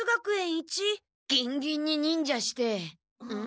ギンギンに忍者して。